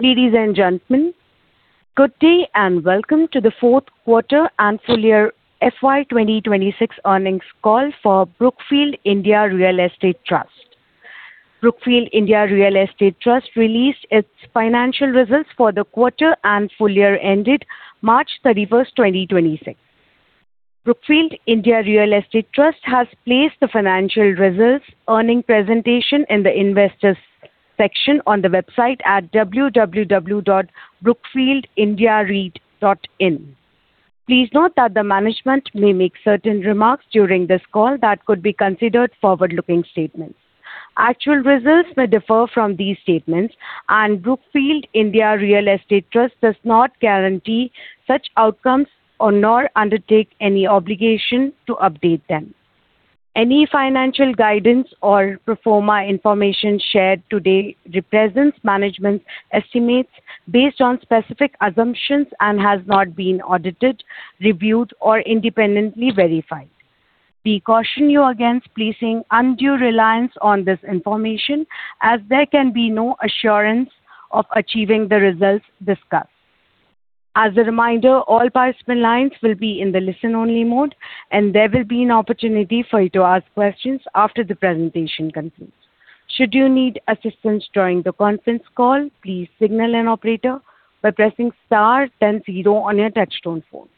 Ladies and gentlemen, good day and welcome to the Q4 and full year fiscal year 2026 earnings call for Brookfield India Real Estate Trust. Brookfield India Real Estate Trust released its financial results for the quarter and full year ended March 31st, 2026. Brookfield India Real Estate Trust has placed the financial results earning presentation in the investors section on the website at www.brookfieldindiareit.in. Please note that the management may make certain remarks during this call that could be considered forward-looking statements. Actual results may differ from these statements, and Brookfield India Real Estate Trust does not guarantee such outcomes or nor undertake any obligation to update them. Any financial guidance or pro forma information shared today represents management estimates based on specific assumptions and has not been audited, reviewed, or independently verified. We caution you against placing undue reliance on this information as there can be no assurance of achieving the results discussed. As a reminder, all participant lines will be in the listen-only mode, and there will be an opportunity for you to ask questions after the presentation concludes. Should you need assistance during the conference call, please signal an operator by pressing star then zero on your touchtone phone.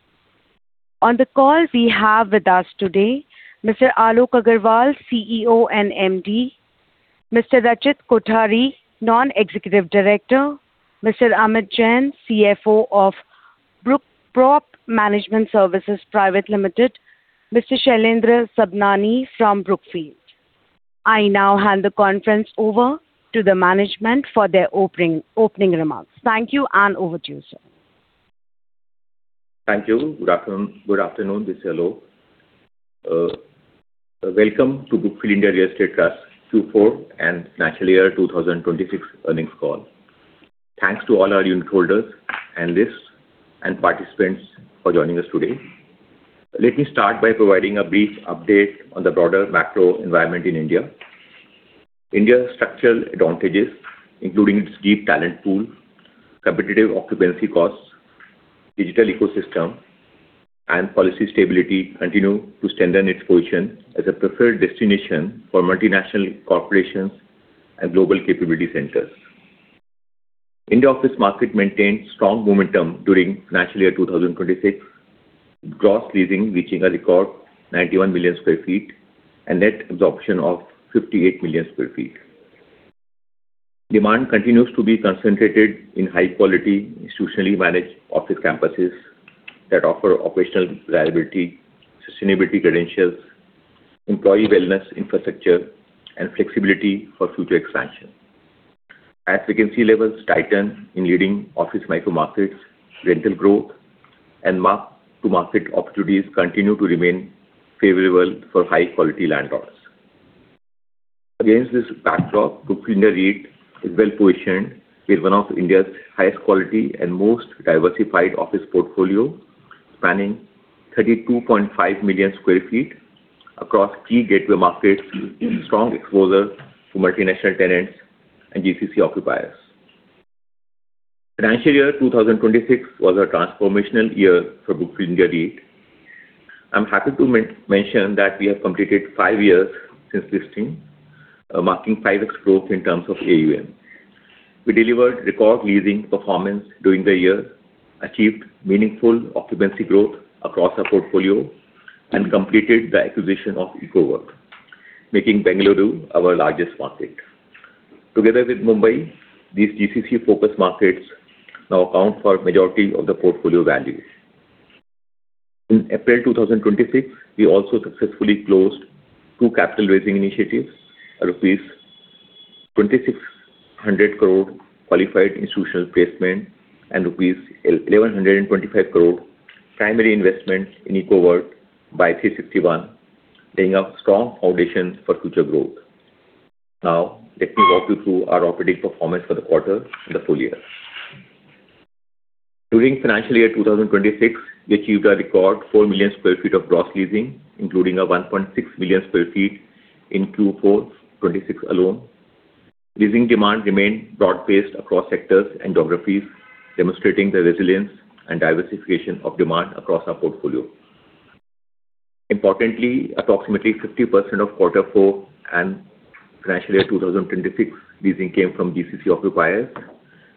On the call, we have with us today, Mr. Alok Aggarwal, CEO and MD, Mr. Rachit Kothari, Non-Executive Director, Mr. Amit Jain, CFO of Brookprop Management Services Private Limited, Mr. Shailendra Sabhnani from Brookfield. I now hand the conference over to the management for their opening remarks. Thank you, and over to you, sir. Thank you. Good afternoon, good afternoon. This is Alok. Welcome to Brookfield India Real Estate Trust Q4 and fiscal year 2026 earnings call. Thanks to all our unitholders, analysts, and participants for joining us today. Let me start by providing a brief update on the broader macro environment in India. India's structural advantages, including its deep talent pool, competitive occupancy costs, digital ecosystem, and policy stability continue to strengthen its position as a preferred destination for multinational corporations and global capability centers. India office market maintained strong momentum during fiscal year 2026, gross leasing reaching a record 91 million sq ft and net absorption of 58 million sq ft. Demand continues to be concentrated in high quality, institutionally managed office campuses that offer operational reliability, sustainability credentials, employee wellness infrastructure, and flexibility for future expansion. As vacancy levels tighten in leading office micro markets, rental growth and mark-to-market opportunities continue to remain favorable for high-quality landlords. Against this backdrop, Brookfield India REIT is well-positioned with one of India's highest qualities and most diversified office portfolio, spanning 32.5 million sq ft across key gateway markets with strong exposure to multinational tenants and GCC occupiers. Financial Year 2026 was a transformational year for Brookfield India REIT. I'm happy to mention that we have completed five years since listing, marking 5x growth in terms of AUM. We delivered record leasing performance during the year, achieved meaningful occupancy growth across our portfolio, and completed the acquisition of Ecoworld, making Bengaluru our largest market. Together with Mumbai, these GCC-focused markets now account for majority of the portfolio value. In April 2026, we also successfully closed two capital raising initiatives, a rupees 2,600 crore qualified institutional placement and rupees 1,125 crore primary investment in Ecoworld by 360 ONE, laying a strong foundation for future growth. Let me walk you through our operating performance for the quarter and the full year. During fiscal year 2026, we achieved a record four million sq ft of gross leasing, including a 1.6 million sq ft in Q4 2026 alone. Leasing demand remained broad-based across sectors and geographies, demonstrating the resilience and diversification of demand across our portfolio. Importantly, approximately 50% of Q4 and fiscal year 2026 leasing came from GCC occupiers,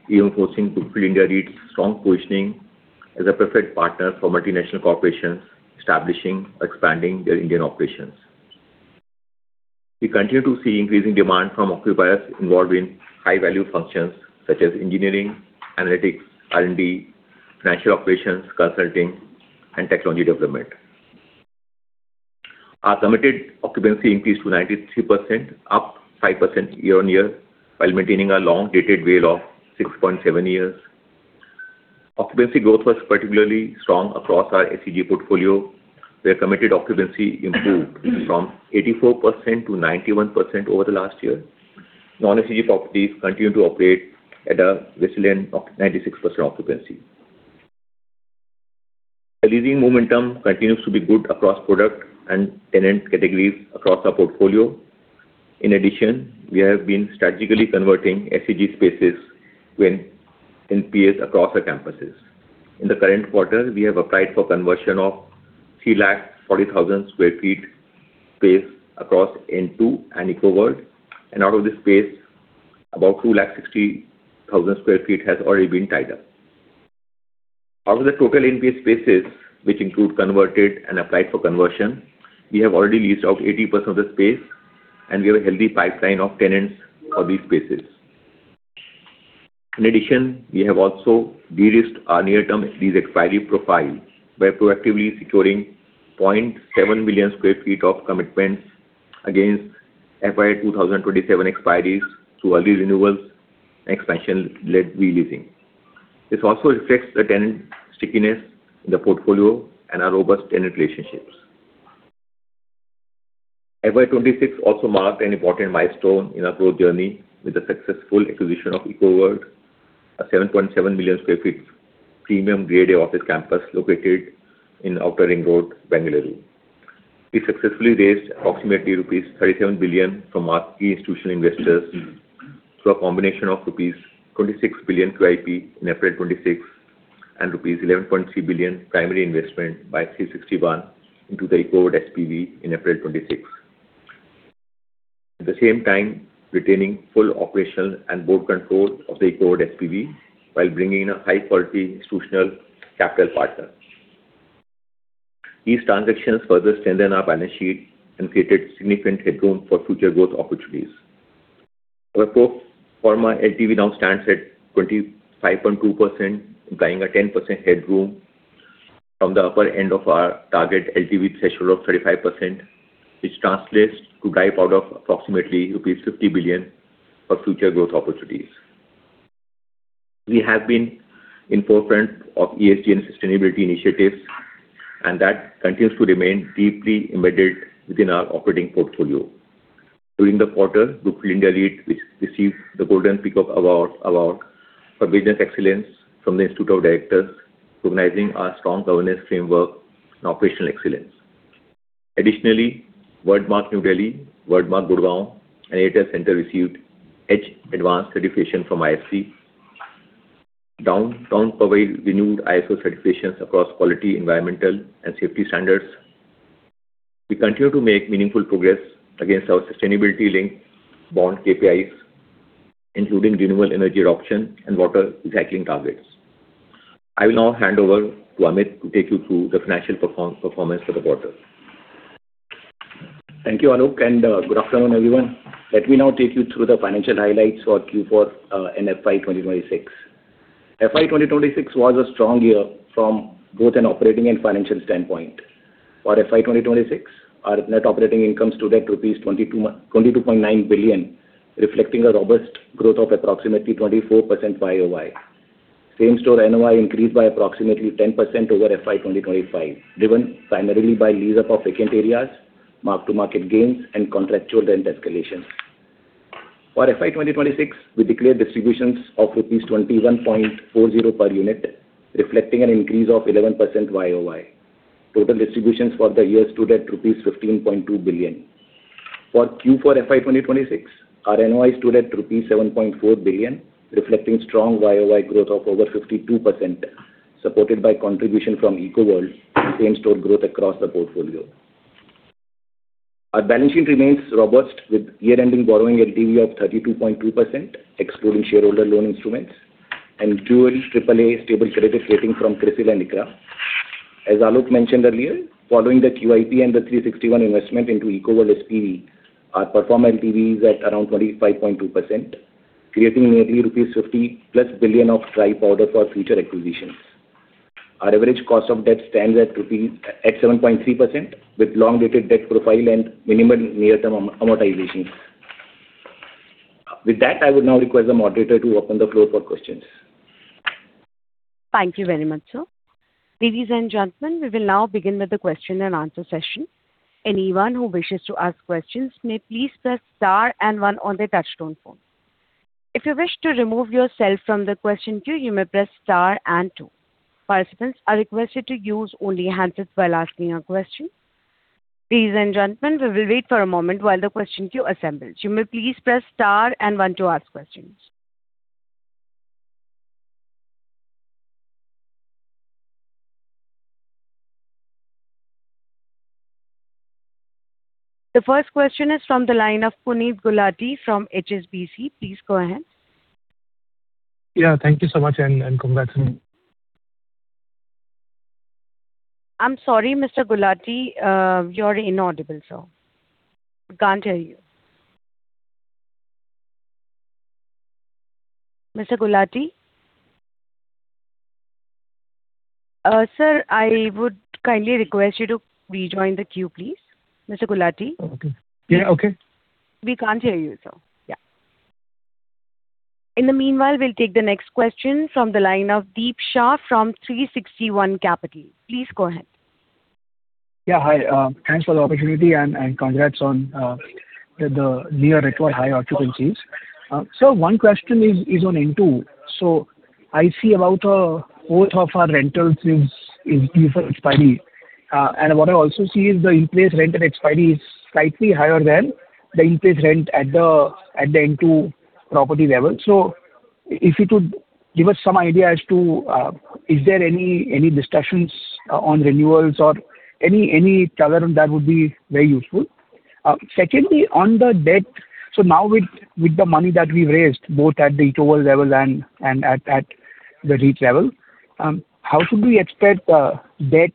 reinforcing Brookfield India REIT's strong positioning as a preferred partner for multinational corporations establishing or expanding their Indian operations. We continue to see increasing demand from occupiers involved in high-value functions such as engineering, analytics, R&D, financial operations, consulting, and technology development. Our committed occupancy increased to 93%, up 5% year-on-year, while maintaining a long-dated WALE of 6.7 years. Occupancy growth was particularly strong across our SEZ portfolio, where committed occupancy improved from 84%-91% over the last year. Non-SEZ properties continue to operate at a resilient 96% occupancy. The leasing momentum continues to be good across product and tenant categories across our portfolio. In addition, we have been strategically converting SEZ spaces when NPA across our campuses. In the current quarter, we have applied for conversion of 3.40 lakh sq ft space across N2 and Ecoworld. Out of this space, about 2.60 lakh sq ft has already been tied up. Out of the total NPA spaces, which include converted and applied for conversion, we have already leased out 80% of the space, and we have a healthy pipeline of tenants for these spaces. In addition, we have also de-risked our near-term lease expiry profile by proactively securing 0.7 million square feet of commitments against fiscal year 2027 expiries through early renewals and expansion-led re-leasing. This also reflects the tenant stickiness in the portfolio and our robust tenant relationships. fiscal year 2026 also marked an important milestone in our growth journey with the successful acquisition of Ecoworld, a 7.7 million square feet premium Grade A office campus located in Outer Ring Road, Bengaluru. We successfully raised approximately rupees 37 billion from our key institutional investors through a combination of rupees 26 billion QIP in April 2026 and rupees 11.3 billion primary investment by 360 ONE into the Ecoworld SPV in April 2026. At the same time, retaining full operational and board control of the Ecoworld SPV while bringing in a high-quality institutional capital partner. These transactions further strengthen our balance sheet and created significant headroom for future growth opportunities. Our pro forma LTV now stands at 25.2%, implying a 10% headroom from the upper end of our target LTV threshold of 35%, which translates to dry powder of approximately rupees 50 billion for future growth opportunities. We have been in forefront of ESG and sustainability initiatives, that continues to remain deeply embedded within our operating portfolio. During the quarter, Brookfield India REIT re-received the Golden Peacock Award for business excellence from the Institute of Directors, recognizing our strong governance framework and operational excellence. Additionally, Worldmark New Delhi, Worldmark Gurgaon, and Ascent Center received EDGE Advanced certification from IFC. Downtown Powai renewed ISO certifications across quality, environmental, and safety standards. We continue to make meaningful progress against our sustainability-linked bond KPIs, including renewable energy adoption and water recycling targets. I will now hand over to Amit to take you through the financial performance for the quarter. Thank you, Alok, and good afternoon, everyone. Let me now take you through the financial highlights for Q4 in fiscal year 2026. fiscal year 2026 was a strong year from both an operating and financial standpoint. For fiscal year 2026, our net operating income stood at rupees 22.9 billion, reflecting a robust growth of approximately 24% YOY. Same-store NOI increased by approximately 10% over fiscal year 2025, driven primarily by lease up of vacant areas, mark-to-market gains, and contractual rent escalation. For fiscal year 2026, we declared distributions of rupees 21.40 per unit, reflecting an increase of 11% YOY. Total distributions for the year stood at rupees 15.2 billion. For Q4 fiscal year 2026, our NOI stood at rupees 7.4 billion, reflecting strong YOY growth of over 52%, supported by contribution from Ecoworld and same-store growth across the portfolio. Our balance sheet remains robust, with year-ending borrowing LTV of 32.2%, excluding shareholder loan instruments, and dual AAA stable credit rating from CRISIL and ICRA. As Alok mentioned earlier, following the QIP and the 360 ONE investment into Ecoworld SPV, our pro forma LTV is at around 25.2%, creating nearly rupees 50+ billion of dry powder for future acquisitions. Our average cost of debt stands at INR 7.3% with long-dated debt profile and minimal near-term amortizations. With that, I would now request the moderator to open the floor for questions. Thank you very much, sir. Ladies and gentlemen, we will now begin with the question-and-answer session. The first question is from the line of Puneet Gulati from HSBC. Please go ahead. Yeah. Thank you so much and congrats. I'm sorry, Mr. Gulati. You're inaudible, sir. Can't hear you. Mr. Gulati? Sir, I would kindly request you to rejoin the queue, please. Mr. Gulati? Okay. Yeah, okay. We can't hear you, sir. Yeah. In the meanwhile, we'll take the next question from the line of Deep Shah from 360 ONE Capital. Please go ahead. Yeah, hi. Thanks for the opportunity and congrats on the near-record high occupancies. One question is on N2. I see about both of our rentals is due for expiry. What I also see is the in-place rent and expiry is slightly higher than the in-place rent at the N2 property level. If you could give us some idea as to, is there any discussions on renewals or any color on that would be very useful. Secondly, on the debt, now with the money that we've raised both at the Ecoworld level and at the REIT level, how should we expect debt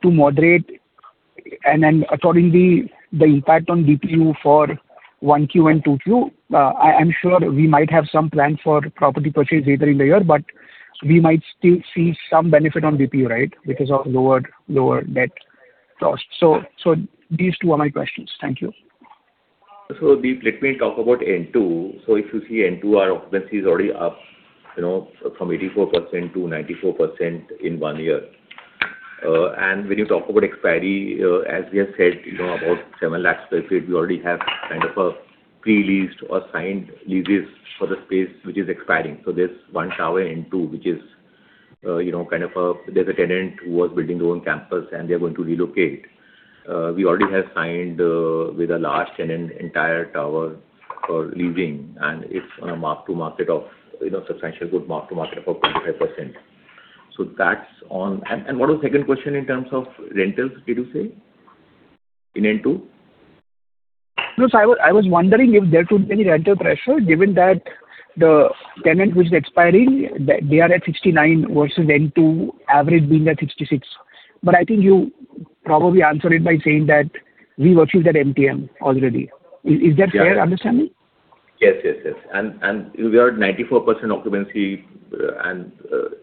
to moderate and accordingly the impact on DPU for Q1 and Q2? I'm sure we might have some plan for property purchase later in the year, but we might still see some benefit on DPU, right, because of lower debt cost. These two are my questions. Thank you. Deep, let me talk about N2. If you see N2, our occupancy is already up from 84%-94% in one year. When you talk about expiry, as we have said, about 7 lakh square feet, we already have kind of a pre-leased or signed leases for the space which is expiring. There's one tower in two, which is, there's a tenant who was building their own campus, and they're going to relocate. We already have signed with a large tenant entire tower for leasing, and it's on a mark to market of substantial good mark to market of 25%. That's on and what was the second question in terms of rentals, did you say, in N2? No. I was wondering if there could be any rental pressure given that the tenant which is expiring, they are at 69 versus N2 average being at 66. I think you probably answered it by saying that we are virtual that MTM already. Is that fair understanding? Yes. We are at 94% occupancy,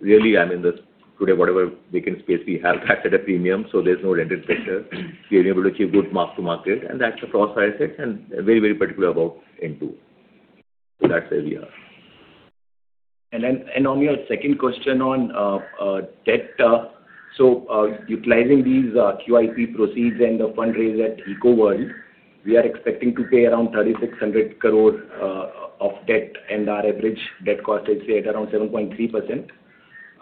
really, I mean, today, whatever vacant space we have is at a premium, so there's no rental pressure. We are able to achieve good mark-to-market, that's across assets and very particular about N2. That's where we are. On your second question on debt, utilizing these QIP proceeds and the fundraise at Ecoworld, we are expecting to pay around 3,600 crore of debt, and our average debt cost is at around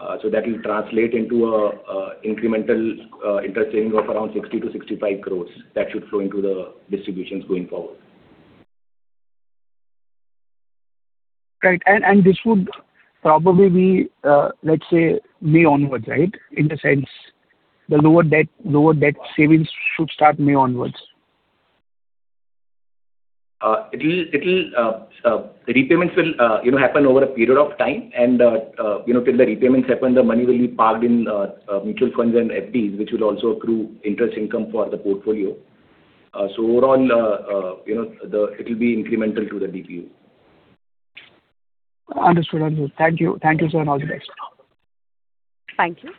7.3%. That will translate into an incremental interest saving of around 60 crore-65 crore that should flow into the distributions going forward. Right. This would probably be, let's say May onwards, right? In the sense the lower debt savings should start May onwards. it'll the repayments will, you know, happen over a period of time and, you know, till the repayments happen, the money will be parked in, mutual funds and FDs, which will also accrue interest income for the portfolio. overall, you know, it'll be incremental to the DPU. Understood. Understood. Thank you. Thank you, sir, and all the best. Thank you.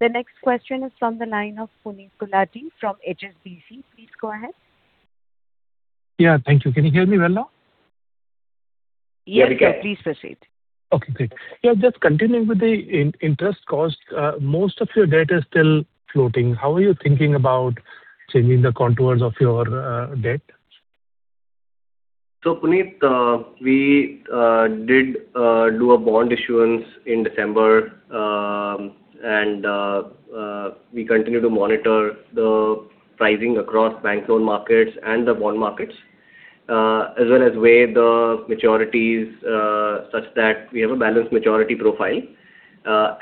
The next question is from the line of Puneet Gulati from HSBC. Please go ahead. Yeah. Thank you. Can you hear me well now? Yes, sir. Please proceed. Okay, great. Yeah, just continuing with the interest cost. Most of your debt is still floating. How are you thinking about changing the contours of your debt? Puneet, we did do a bond issuance in December. We continue to monitor the pricing across bank loan markets and the bond markets, as well as weigh the maturities, such that we have a balanced maturity profile.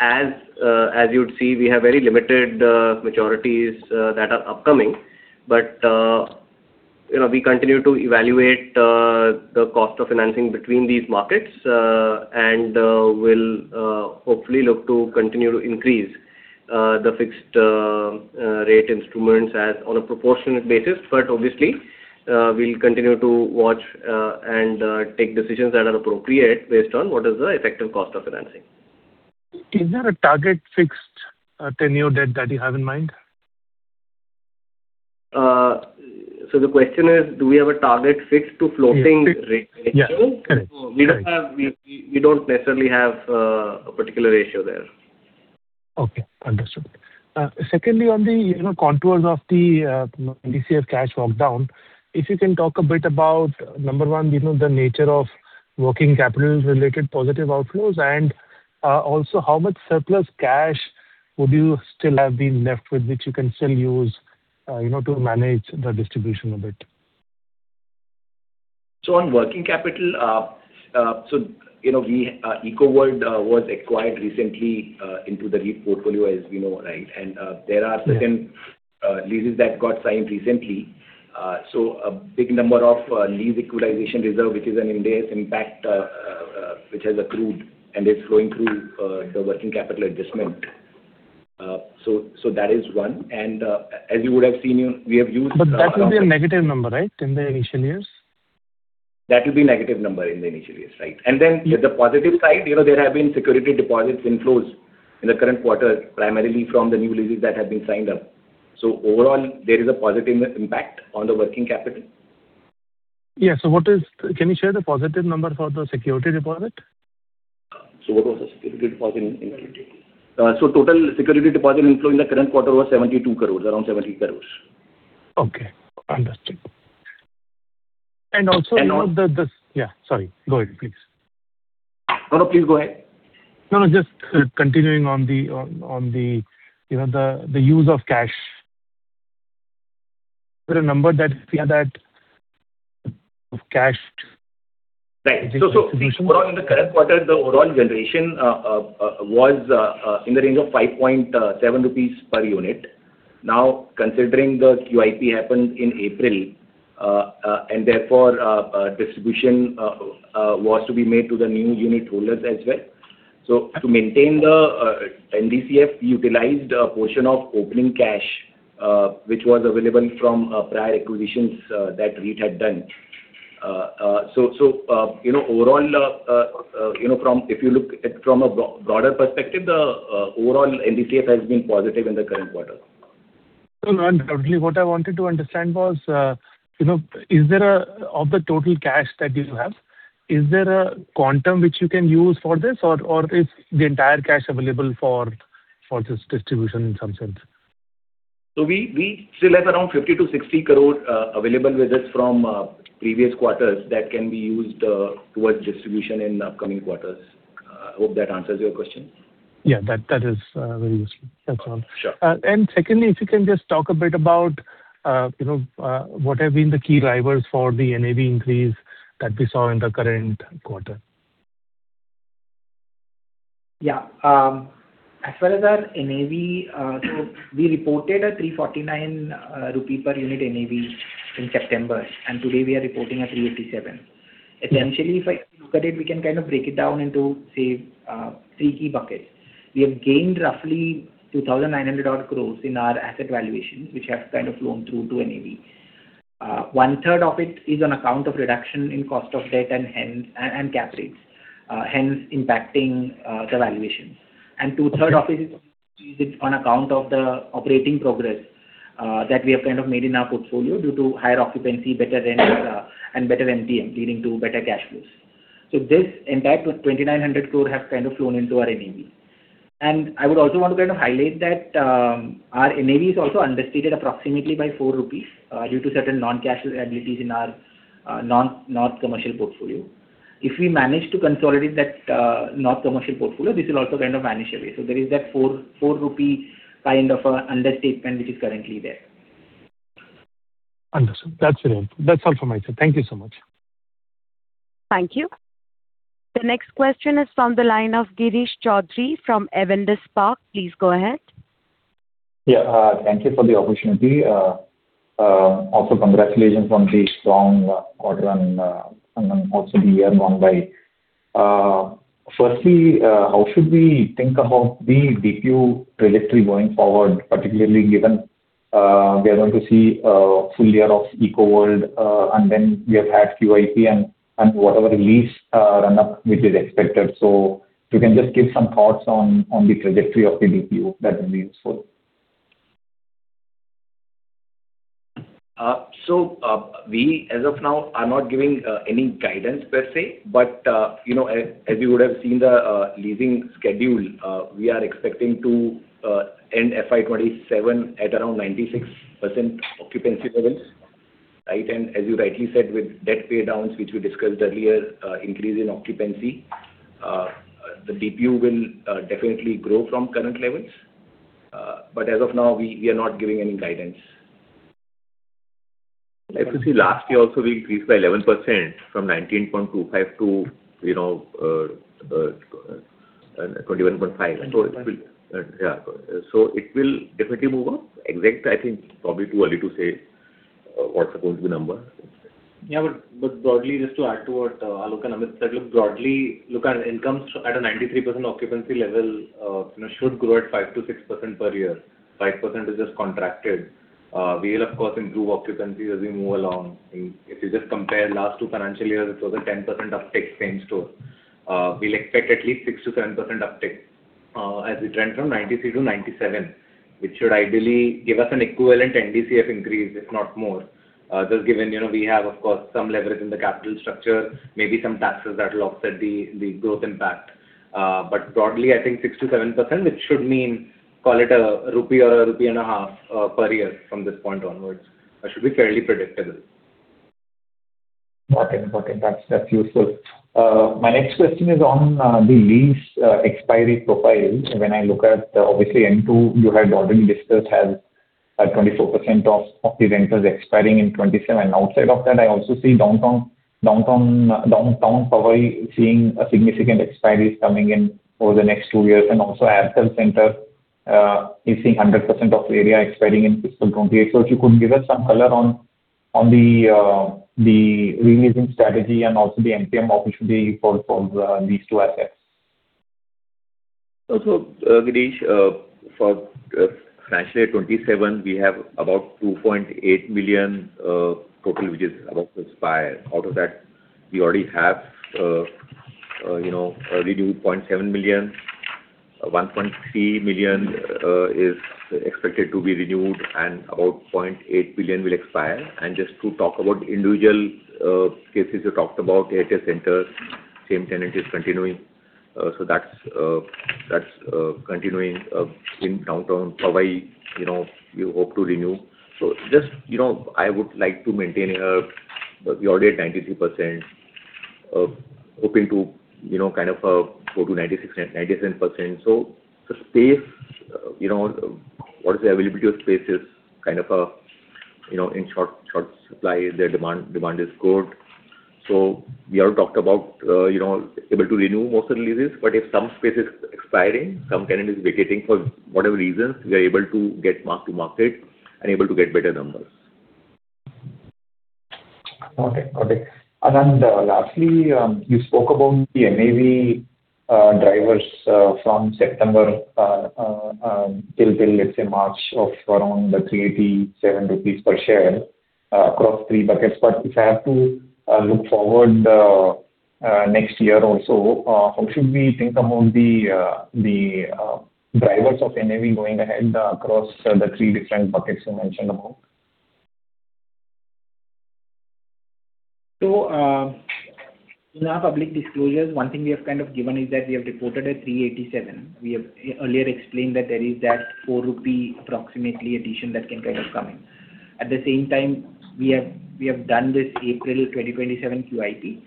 As you would see, we have very limited maturities that are upcoming. You know, we continue to evaluate the cost of financing between these markets, and we'll hopefully look to continue to increase the fixed rate instruments as on a proportionate basis. Obviously, we'll continue to watch and take decisions that are appropriate based on what is the effective cost of financing. Is there a target fixed tenure debt that you have in mind? The question is, do we have a target fixed to floating fixed rate ratio? Yeah. Correct. We don't necessarily have a particular ratio there. Okay. Understood. Secondly, on the, you know, contours of the, you know, NDCF cash walk down, if you can talk a bit about, number one, you know, the nature of working capital related positive outflows, and also how much surplus cash would you still have been left with which you can still use, you know, to manage the distribution a bit? On working capital, you know, we, EcoWorld, was acquired recently, into the REIT portfolio, as we know. There are certain leases that got signed recently. A big number of lease equalization reserve, which is an indirect impact, which has accrued and is flowing through the working capital adjustment. That is one. That will be a negative number, right, in the initial years? That will be negative number in the initial years, right? Yeah. On the positive side, you know, there have been security deposits inflows in the current quarter, primarily from the new leases that have been signed up. Overall, there is a positive impact on the working capital. Yeah. Can you share the positive number for the security deposit? What was the security deposit inflow? Total security deposit inflow in the current quarter was 72 crores, around 70 crores. Okay. Understood. And also- Yeah, sorry. Go ahead, please. No, no, please go ahead. No, no, just continuing on the, on the, you know, the use of cash, is there a number that of cash distribution? Right. Overall in the current quarter, the overall generation was in the range of 5.7 rupees per unit. Considering the QIP happened in April, and therefore distribution was to be made to the new unit holders as well. To maintain the NDCF utilized a portion of opening cash which was available from prior acquisitions that REIT had done. Overall, you know, if you look at from a broader perspective, the overall NDCF has been positive in the current quarter. No, no, absolutely. What I wanted to understand was, you know, of the total cash that you have, is there a quantum which you can use for this or is the entire cash available for this distribution in some sense? We still have around 50 crore-60 crore available with us from previous quarters that can be used towards distribution in upcoming quarters. Hope that answers your question. Yeah. That is very useful. Thanks, Ron. Sure. Secondly, if you can just talk a bit about, you know, what have been the key drivers for the NAV increase that we saw in the current quarter? Yeah. As far as our NAV, so we reported an 349 rupee per unit NAV in September, and today we are reporting an 387. Essentially, if I look at it, we can kind of break it down into, say, three key buckets. We have gained roughly 2,900 crore in our asset valuations, which have kind of flown through to NAV. One-third of it is on account of reduction in cost of debt and cap rates, hence impacting the valuations. Two-third of it is on account of the operating progress that we have kind of made in our portfolio due to higher occupancy, better rent, and better NOI leading to better cash flows. This entire 2,900 crore have kind of flown into our NAV. I would also want to kind of highlight that our NAV is also understated approximately by 4 rupees, due to certain non-cash liabilities in our non-commercial portfolio. If we manage to consolidate that non-commercial portfolio, this will also kind of vanish away. There is that 4 rupee kind of a understatement which is currently there. Understood. That's relevant. That's all from my side. Thank you so much. Thank you. The next question is from the line of Girish Choudhary from Avendus Spark. Please go ahead. Thank you for the opportunity. Also congratulations on the strong quarter and the year gone by. Firstly, how should we think about the DPU trajectory going forward, particularly given we are going to see a full year of Ecoworld, and whatever lease run up which is expected. If you can just give some thoughts on the trajectory of the DPU, that will be useful. We as of now are not giving any guidance per se. You know, as you would have seen the leasing schedule, we are expecting to end fiscal year 2027 at around 96% occupancy levels, right? As you rightly said, with debt pay downs, which we discussed earlier, increase in occupancy, the DPU will definitely grow from current levels. As of now, we are not giving any guidance. If you see last year also we increased by 11% from 19.25 to, you know, 21.5. 20.5. Yeah, it will definitely move up. Exact, I think probably too early to say what's supposed to be number. Yeah. Broadly, just to add to what Alok and Amit said, look, broadly, look at incomes at a 93% occupancy level, you know, should grow at 5%-6% per year. 5% is just contracted. We'll of course improve occupancy as we move along. If you just compare last two financial years, it was a 10% uptick same store. We'll expect at least 6%-7% uptick, as we trend from 93-97, which should ideally give us an equivalent NDCF increase, if not more. Just given, you know, we have of course some leverage in the capital structure, maybe some taxes that will offset the growth impact. Broadly, I think 6%-7%, which should mean call it INR 1 or INR 1.5 per year from this point onwards. That should be fairly predictable. Got it. Got it. That's useful. My next question is on the lease expiry profile. When I look at, obviously N2, you had broadly discussed has 24% of the rentals expiring in 2027. Outside of that, I also see Downtown Powai probably seeing significant expiries coming in over the next two years. Also, Ascent Center is seeing 100% of area expiring in fiscal 2028. If you could give us some color on the re-leasing strategy and also the NOI opportunity for these two assets. Girish, for financial year 2027, we have about 2.8 million total, which is about to expire. Out of that we already have, you know, a renewed 0.7 million. 1.3 million is expected to be renewed and about 0.8 billion will expire. Just to talk about individual cases you talked about, ATS Center, same tenant is continuing. That's continuing. In Downtown Powai, you know, we hope to renew. Just, you know, I would like to maintain. We're already at 93%, hoping to, you know, kind of go to 96%-97%. The space, you know, what is the availability of space is kind of, you know, in short supply. The demand is good. We have talked about, you know, able to renew most of the leases, if some space is expiring, some tenant is vacating for whatever reasons, we are able to get mark to market and able to get better numbers. Okay. Got it. Lastly, you spoke about the NAV drivers from September till, let's say, March of around the 387 rupees per share across three buckets. If I have to look forward next year also, how should we think about the drivers of NAV going ahead across the three different buckets you mentioned about? In our public disclosures, one thing we have kind of given is that we have reported a 387. We have earlier explained that there is that 4 rupee approximately addition that can kind of come in. At the same time, we have done this April 2027 QIP,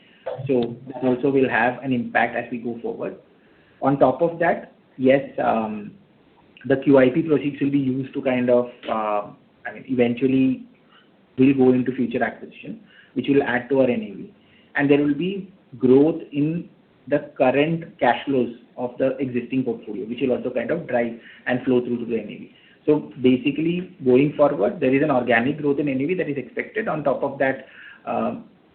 this also will have an impact as we go forward. On top of that, yes, the QIP proceeds will be used to kind of, I mean, eventually will go into future acquisition, which will add to our NAV. There will be growth in the current cash flows of the existing portfolio, which will also kind of drive and flow through to the NAV. Basically, going forward, there is an organic growth in NAV that is expected. On top of that,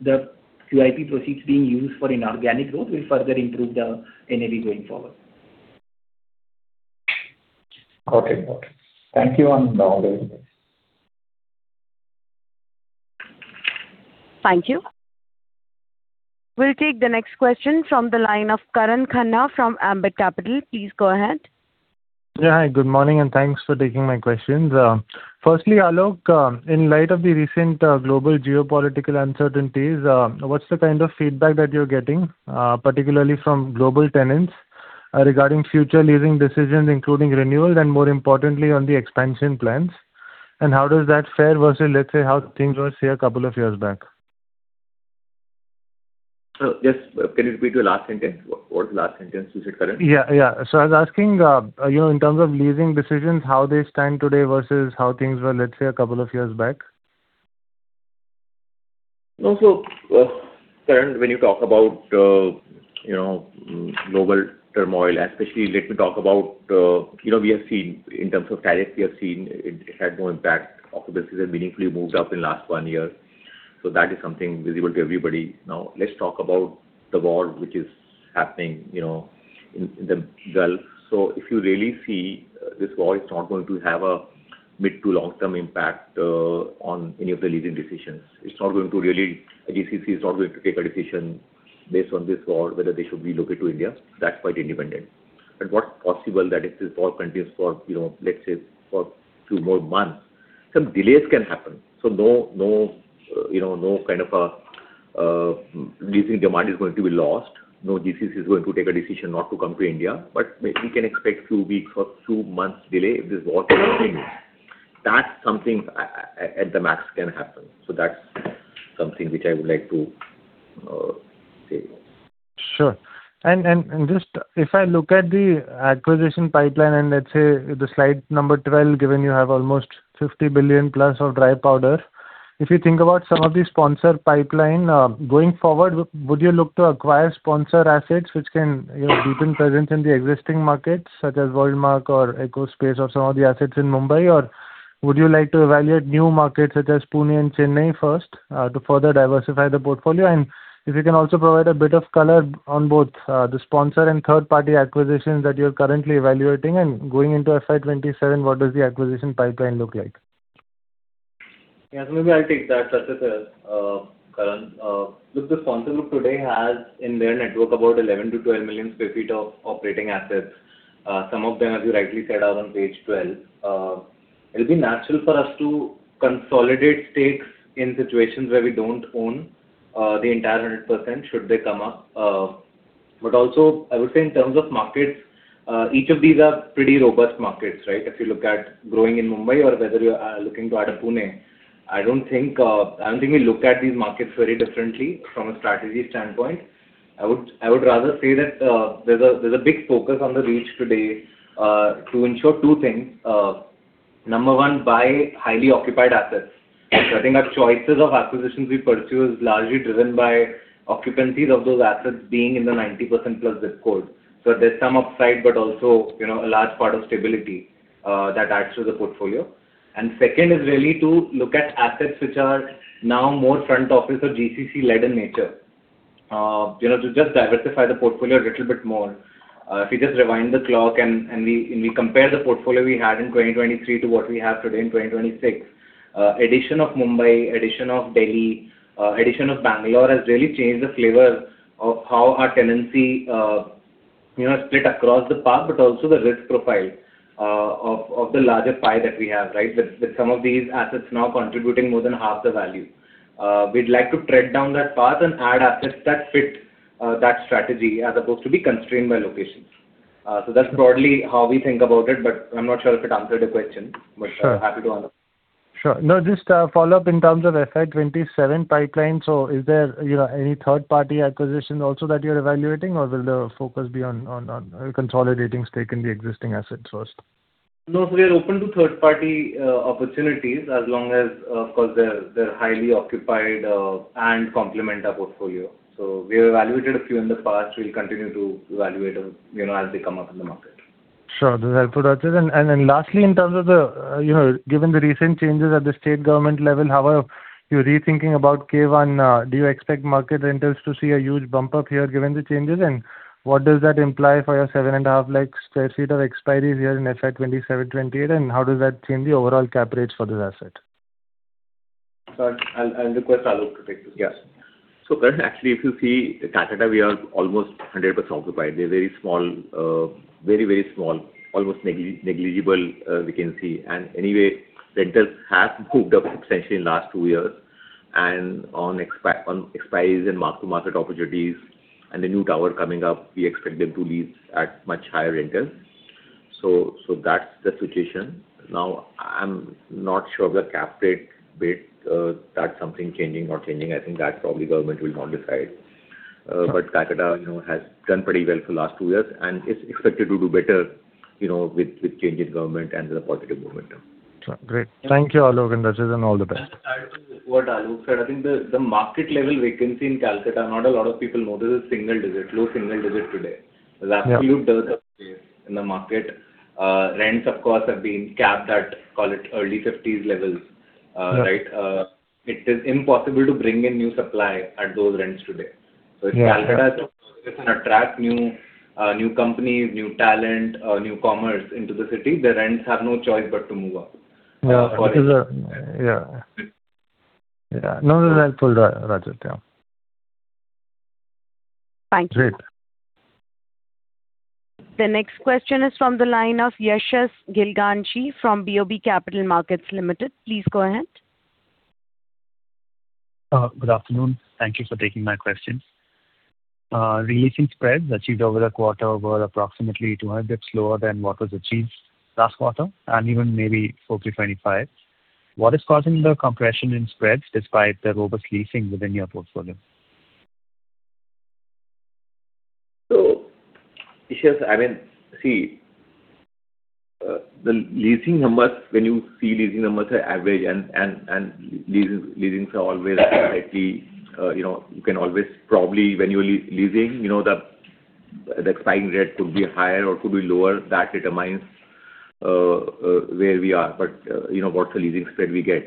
the QIP proceeds being used for inorganic growth will further improve the NAV going forward. Got it. Got it. Thank you. Over to you. Thank you. We'll take the next question from the line of Karan Khanna from Ambit Capital. Please go ahead. Yeah. Hi, good morning, and thanks for taking my questions. Firstly, Alok, in light of the recent global geopolitical uncertainties, what's the kind of feedback that you're getting particularly from global tenants regarding future leasing decisions, including renewals and more importantly on the expansion plans? How does that fare versus, let's say, how things were, say, a couple of years back? Just, can you repeat your last sentence? What was the last sentence you said, Karan? Yeah. I was asking, you know, in terms of leasing decisions, how they stand today versus how things were, let's say, a couple of years back. No. Karan, when you talk about, you know, global turmoil, especially let me talk about, you know, we have seen in terms of tariff, we have seen it had no impact. Occupancies have meaningfully moved up in last one year. That is something visible to everybody. Now let's talk about the war which is happening in the Gulf. If you really see, this war is not going to have a mid to long-term impact on any of the leasing decisions. It's not going to really A GCC is not going to take a decision based on this war, whether they should relocate to India. That's quite independent. What's possible that if this war continues for, let's say for few more months, some delays can happen. No, no, you know, no kind of a leasing demand is going to be lost. No GCC is going to take a decision not to come to India. We can expect few weeks or few months delay if this war continues. That's something at the max can happen. That's something which I would like to say. Sure. Just if I look at the acquisition pipeline and let's say the slide number 12, given you have almost 50 billion plus of dry powder. If you think about some of the sponsor pipeline, going forward, would you look to acquire sponsor assets which can, you know, deepen presence in the existing markets, such as Worldmark or Ecospace or some of the assets in Mumbai? Would you like to evaluate new markets such as Pune and Chennai first, to further diversify the portfolio? If you can also provide a bit of color on both, the sponsor and third-party acquisitions that you're currently evaluating. Going into fiscal year 2027, what does the acquisition pipeline look like? Yeah. Maybe I'll take that. I think, Karan, look, the sponsor group today has in their network about 11-12 million sq ft of operating assets. Some of them, as you rightly said, are on page 12. It'll be natural for us to consolidate stakes in situations where we don't own the entire 100% should they come up. Also, I would say in terms of markets, each of these are pretty robust markets, right? If you look at growing in Mumbai or whether you are looking to add a Pune, I don't think I don't think we look at these markets very differently from a strategy standpoint. I would rather say that there's a big focus on the REIT today to ensure two things. Number one, buy highly occupied assets. I think our choices of acquisitions we pursue is largely driven by occupancies of those assets being in the 90% plus ZIP codes. There's some upside, but also, you know, a large part of stability that adds to the portfolio. Second is really to look at assets which are now more front office or GCC-led in nature, you know, to just diversifiscal year the portfolio a little bit more. If you just rewind the clock and we compare the portfolio we had in 2023 to what we have today in 2026, addition of Mumbai, addition of Delhi, addition of Bengaluru has really changed the flavor of how our tenancy, you know, split across the path, but also the risk profile of the larger pie that we have, right. With some of these assets now contributing more than half the value. We'd like to tread down that path and add assets that fit that strategy as opposed to be constrained by locations. That's broadly how we think about it, but I'm not sure if it answered your question. Sure. Happy to answer. Sure. No, just a follow-up in terms of fiscal year 2027 pipeline. Is there, you know, any third-party acquisition also that you're evaluating or will the focus be on consolidating stake in the existing assets first? No. We are open to third-party opportunities as long as, of course, they're highly occupied and complement our portfolio. We have evaluated a few in the past. We'll continue to evaluate them, you know, as they come up in the market. Sure. That's helpful, Rajat. Then lastly, in terms of the, you know, given the recent changes at the state government level, how are you rethinking about K-1? Do you expect market rentals to see a huge bump up here given the changes? What does that imply for your seven and a half lakhs sq ft of expiries here in fiscal year 2027, 2028? How does that change the overall cap rates for this asset? I'll request Alok to take this. Yes. Karan, actually, if you see Calcutta, we are almost 100% occupied. They're very small, almost negligible vacancy. Anyway, rentals have moved up substantially in last two years and on expiries and mark-to-market opportunities and the new tower coming up, we expect them to lease at much higher rentals. That's the situation. I'm not sure of the cap rate bit, that something changing or changing. I think that probably government will now decide. Calcutta, you know, has done pretty well for last two years, and it's expected to do better, you know, with change in government and the positive momentum. Sure. Great. Thank you, Alok and Rachit, and all the best. Can I add to what Alok said? I think the market level vacancy in Calcutta, not a lot of people know, this is single digit, low single digit today. Yeah. There's absolute dearth of space in the market. Rents of course have been capped at, call it early INR 50s levels, right. Yeah. It is impossible to bring in new supply at those rents today. Yeah. If Calcutta can attract new companies, new talent, newcomers into the city, the rents have no choice but to move up. Yeah. This is a Yeah. No, no, that's helpful, Rajat. Yeah. Thank you. Great. The next question is from the line of Yashas Gilganchi from BOB Capital Markets Limited. Please go ahead. Good afternoon. Thank you for taking my questions. Releasing spreads achieved over the quarter were approximately 200-basis points lower than what was achieved last quarter and even maybe fiscal year 2025. What is causing the compression in spreads despite the robust leasing within your portfolio? Yashas, I mean, see, the leasing numbers, when you see leasing numbers are average and leasing are always slightly, you know, you can always probably when you're leasing, you know, the expiring rate could be higher or could be lower. That determines where we are. You know, what's the leasing spread we get.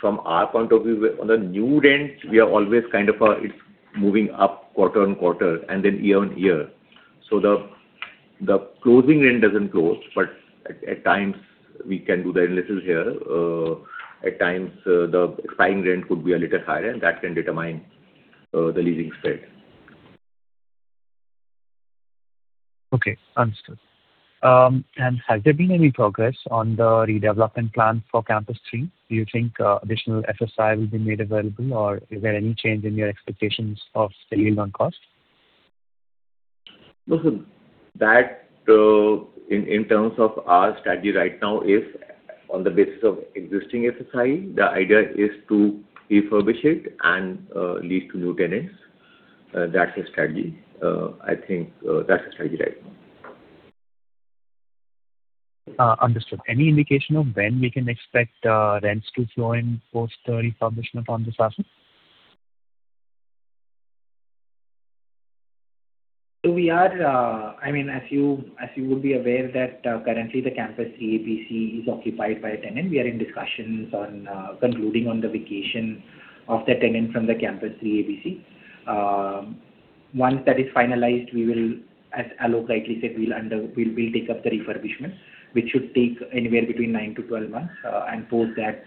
From our point of view, on the new rents, we are always kind of, it's moving up quarter on quarter and year on year. The closing rent doesn't close, but at times we can do the analysis here. At times, the expiring rent could be a little higher, that can determine the leasing spread. Okay. Understood. Has there been any progress on the redevelopment plan for Campus 3? Do you think additional FSI will be made available, or is there any change in your expectations of steady loan cost? Look, that, in terms of our strategy right now is on the basis of existing FSI. The idea is to refurbish it and lease to new tenants. That's the strategy. I think, that's the strategy right now. Understood. Any indication of when we can expect rents to flow in post the refurbishment on this asset? We are, I mean, as you, as you would be aware that, currently the Campus Three ABC is occupied by a tenant. We are in discussions on concluding on the vacation of the tenant from the Campus Three ABC. Once that is finalized, we will, as Alok rightly said, we'll take up the refurbishment, which should take anywhere between 9-12 months. Post that,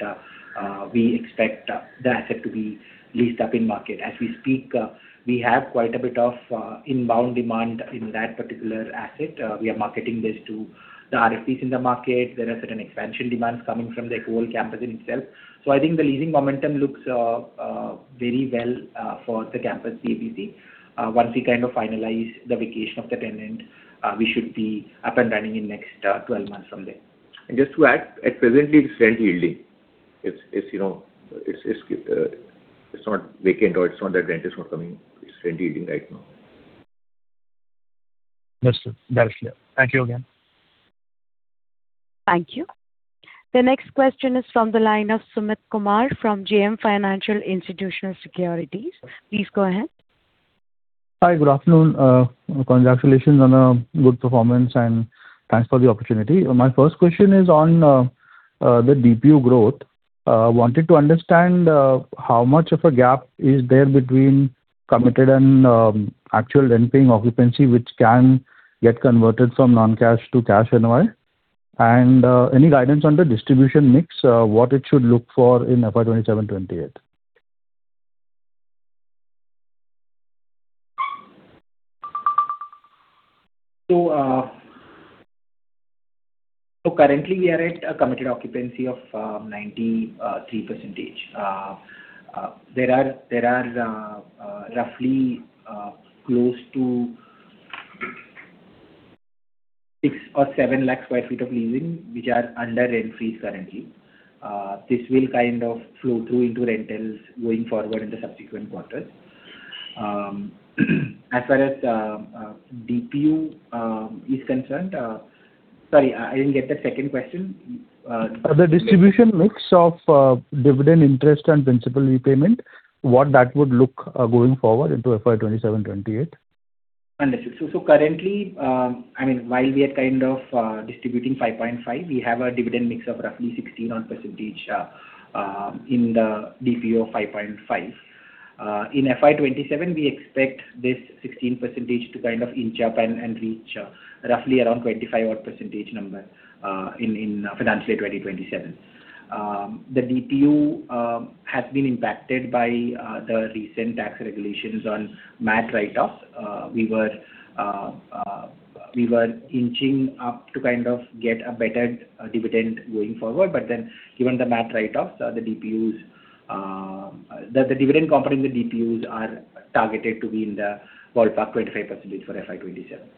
we expect the asset to be leased up in market. As we speak, we have quite a bit of inbound demand in that particular asset. We are marketing this to the RFPs in the market. There are certain expansion demands coming from the whole campus in itself. I think the leasing momentum looks very well for the Campus Three ABC. Once we kind of finalize the vacation of the tenant, we should be up and running in next 12 months from there. Just to add, at presently it's rent yielding. It's, you know, it's not vacant or it's not that rent is not coming. It's rent yielding right now. Understood. That's clear. Thank you again. Thank you. The next question is from the line of Sumit Kumar from JM Financial Institutional Securities. Please go ahead. Hi, good afternoon. Congratulations on a good performance, and thanks for the opportunity. My first question is on the DPU growth. Wanted to understand how much of a gap is there between committed and actual rent paying occupancy which can get converted from non-cash to cash NOI? Any guidance on the distribution mix, what it should look for in fiscal year 2027, 2028? Currently we are at a committed occupancy of 93%. There are roughly close to six or seven lakh sq ft of leasing which are under rent-free currently. This will kind of flow through into rentals going forward in the subsequent quarters. As far as DPU is concerned, Sorry, I didn't get the second question. The distribution mix of dividend interest and principal repayment, what that would look going forward into fiscal year 2027, 2028. Understood. Currently, I mean, while we are kind of distributing 5.5, we have a dividend mix of roughly 16 odd % in the DPU of 5.5. In fiscal year 2027, we expect this 16% to kind of inch up and reach roughly around 25 odd % number in financial year 2027. The DPU has been impacted by the recent tax regulations on MAT write-off. We were inching up to kind of get a better dividend going forward, but then given the MAT write-offs, the DPUs, the dividend component in the DPUs is targeted to be in the ballpark 25% for fiscal year 2027.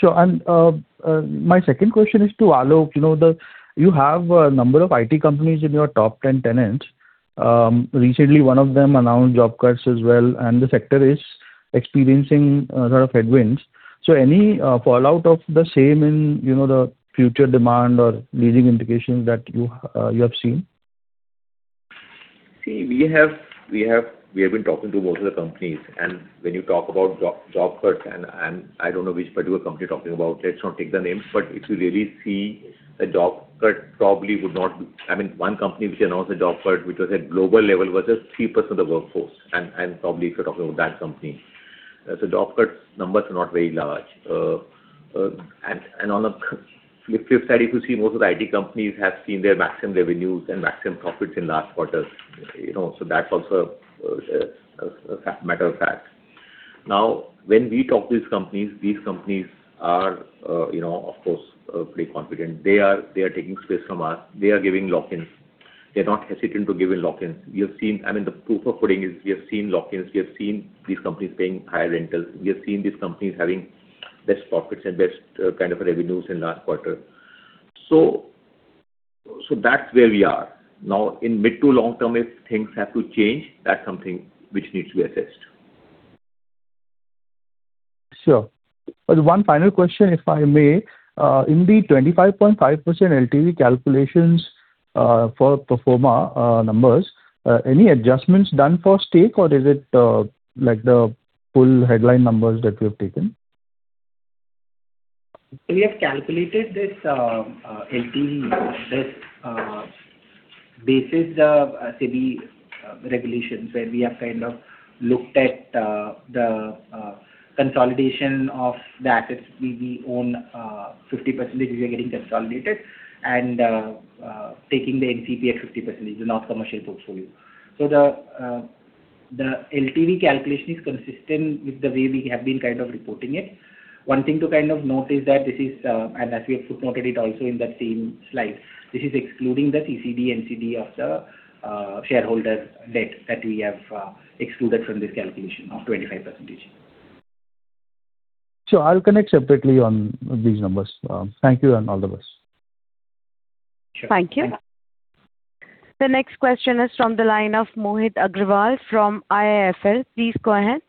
Sure. My second question is to Alok. You know, you have a number of IT companies in your top 10 tenants. Recently one of them announced job cuts as well, and the sector is experiencing a lot of headwinds. Any fallout of the same in, you know, the future demand or leasing indications that you have seen? See, we have been talking to most of the companies. When you talk about job cuts and I don't know which particular company you're talking about. Let's not take the names. If you really see, a job cut probably would not, I mean, one company which announced a job cut, which was at global level, was just 3% of the workforce. Probably if you're talking about that company. Job cuts numbers are not very large. On the flip side, if you see, most of the IT companies have seen their maximum revenues and maximum profits in last quarter, you know, that's also a matter of fact. When we talk to these companies, these companies are, you know, of course, pretty confident. They are taking space from us. They are giving lock-ins. They're not hesitant to give in lock-ins. I mean, the proof of pudding is we have seen lock-ins, we have seen these companies paying higher rentals, we have seen these companies having best profits and best kind of revenues in last quarter. That's where we are. Now, in mid to long term, if things have to change, that's something which needs to be assessed. Sure. One final question, if I may. In the 25.5% LTV calculations, for pro forma numbers, any adjustments done for stake or is it like the full headline numbers that you have taken? We have calculated this LTV, this basis the SEBI regulations, where we have looked at the consolidation of the assets we own, 50% we are getting consolidated and taking the NCP at 50%, the non-commercial portfolio. The LTV calculation is consistent with the way we have been reporting it. One thing to note is that this is, and as we have footnoted it also in that same slide, this is excluding the CCD, NCD of the shareholder debt that we have excluded from this calculation of 25%. Sure. I'll connect separately on these numbers. Thank you, and all the best. Sure. Thank you. The next question is from the line of Mohit Agrawal from IIFL. Please go ahead.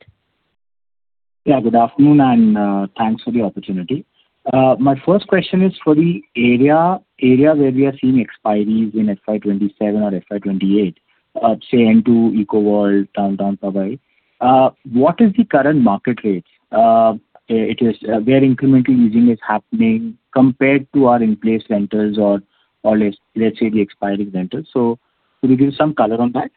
Good afternoon, thanks for the opportunity. My first question is for the area where we are seeing expiries in fiscal year 2027 or fiscal year 2028, say N2, Ecoworld, Downtown Powai. What is the current market rate? Where incremental leasing is happening compared to our in-place rentals or let's say the expiring rentals. Could you give some color on that?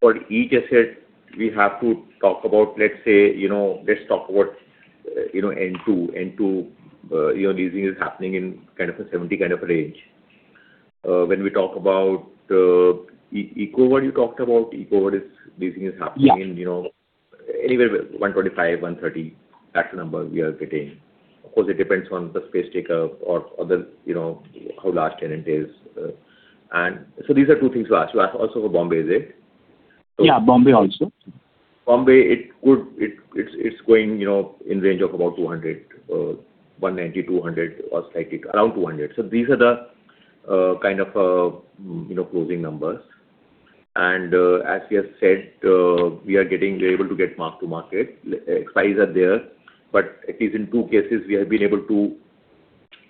For each asset we have to talk about, let's say, you know, let's talk about, you know, N2. N2, you know, leasing is happening in kind of a 70 kind of range. When we talk about Ecoworld you talked about, Ecoworld, leasing is happening in, you know, anywhere 125, 130. That's the number we are getting. Of course, it depends on the space taker or other, you know, how large tenant is. These are two things you asked. You asked also for Bombay, is it? Yeah, Mumbai also. Bombay, it's going, you know, in range of about 200, 190, 200 or slightly around 200. These are the kind of, you know, closing numbers. As we have said, we're able to get mark to market. Expiries are there, but at least in two cases we have been able to,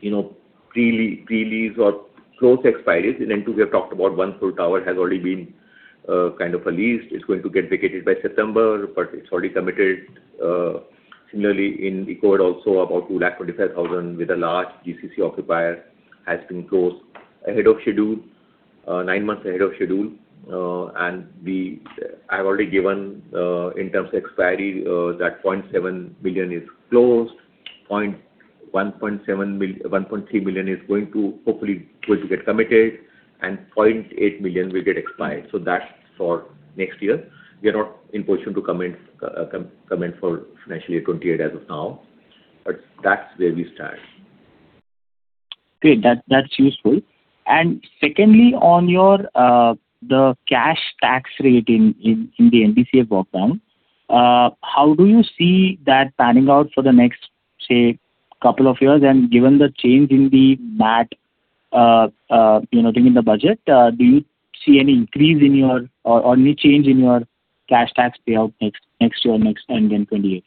you know, pre-lease or close expiries. In N2 we have talked about one full tower has already been, kind of leased. It's going to get vacated by September, but it's already committed. Similarly, in Ecoworld also about 225,000 with a large GCC occupier has been closed ahead of schedule. 9 months ahead of schedule. I've already given in terms of expiry, that 0.7 billion is closed, 1.3 billion is going to hopefully going to get committed, and 0.8 million will get expired. That's for next year. We are not in a position to comment for financial year 2028 as of now. That's where we stand. Great. That's useful. Secondly, on your the cash tax rate in the NDCF breakdown, how do you see that panning out for the next, say, two years? Given the change in the MAT, you know, during the budget, do you see any increase in your or any change in your cash tax payout next year, next and in 2028?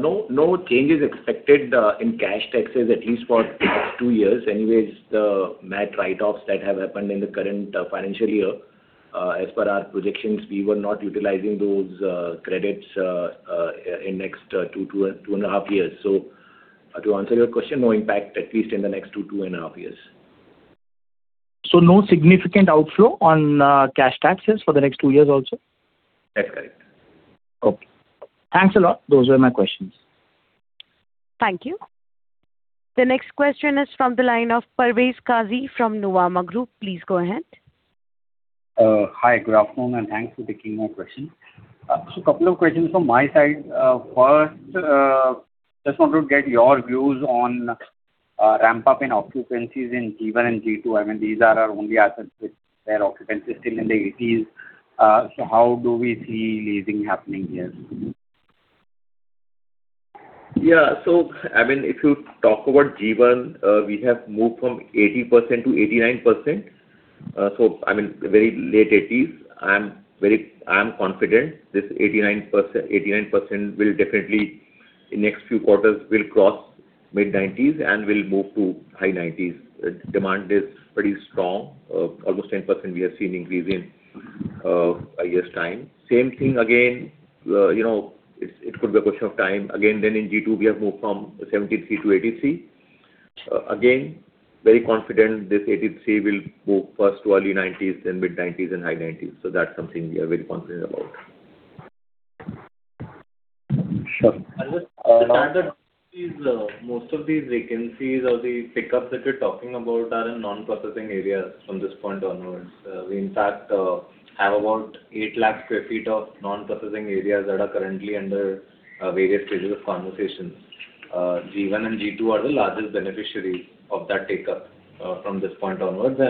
No, no changes expected in cash taxes, at least for the next two years. Anyways, the MAT write-offs that have happened in the current financial year, as per our projections, we were not utilizing those credits in next two and a half years. To answer your question, no impact, at least in the next two and a half years. No significant outflow on cash taxes for the next two years also? That's correct. Okay. Thanks a lot. Those were my questions. Thank you. The next question is from the line of Parvez Qazi from Nuvama Group. Please go ahead. Hi. Good afternoon, and thanks for taking my question. Couple of questions from my side. First, just wanted to get your views on ramp-up in occupancies in G1 and G2. I mean, these are our only assets which their occupancy is still in the eighties. How do we see leasing happening here? Yeah. I mean, if you talk about G1, we have moved from 80%-89%. I mean, very late eighties. I am confident this 89% will definitely, in next few quarters, will cross mid-90s and will move to high 90s. Demand is pretty strong. Almost 10% we have seen increase in a year's time. Same thing again, you know, it could be a question of time. In G2 we have moved from 73%-83%. Very confident this 83% will move first to early 90s, then mid-90s and high 90s. That's something we are very confident about. Sure. Most of these vacancies or the pickups that you're talking about are in Non-Processing Areas from this point onwards. We in fact, have about 8 lakh sq ft of Non-Processing Areas that are currently under various stages of conversations. G1 and G2 are the largest beneficiaries of that take-up from this point onwards.